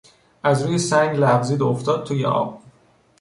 از روی سنگ لغزید و افتاد توی آب.